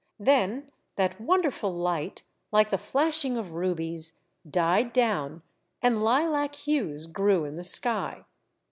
Then that wonderful light, like the flashing of rubies, died down, and Hlac hues grew in the sky.